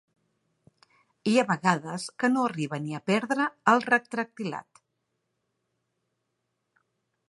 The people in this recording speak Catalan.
Hi ha vegades que no arriba ni a perdre el retractilat.